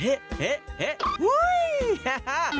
โอ้เฮ่ฮุ้ยฮ่า